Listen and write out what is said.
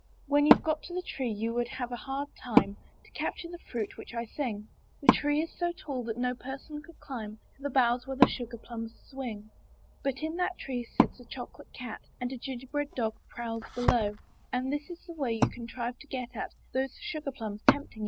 When you've got to the tree you would have a hard time To capture the fruit which I sing; The tree is so tall that no person could climb To the boughs where the sugar plums swing: But in that tree sits a chocolate cat, And a gingerbread dog prowls below — And this is the way you contrive to get at Those sugar plums tempting you so.